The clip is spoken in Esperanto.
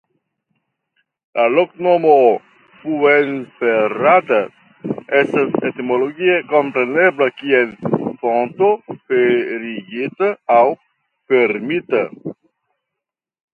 La loknomo "Fuenferrada" estas etimologie komprenebla kiel "Fonto ferigita" aŭ "fermita".